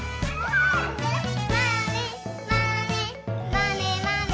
「まねまねまねまね」